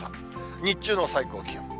日中の最高気温。